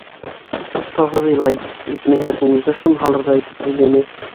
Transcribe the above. Туҡтауһыҙ илай, етмәһә, күңелгә шом һалырҙай итеп һөйләнә: